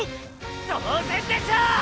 当然でしょ！